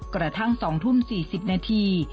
กระทั่ง๒ทุ่ม๔๐นาที